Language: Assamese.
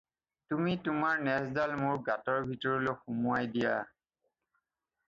তুমি তোমাৰ নেজডাল মোৰ গাঁতৰ ভিতৰলৈ সুমুৱাই দিয়া।